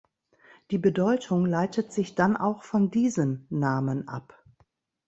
Die Bedeutung leitet sich dann auch von diesen Namen ab.